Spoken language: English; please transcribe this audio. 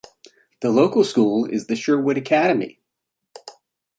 The local school is the Sherwood Academy.